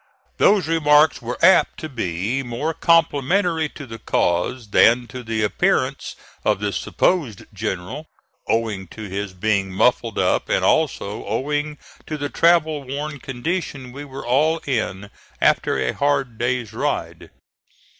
Those remarks were apt to be more complimentary to the cause than to the appearance of the supposed general, owing to his being muffled up, and also owing to the travel worn condition we were all in after a hard day's ride.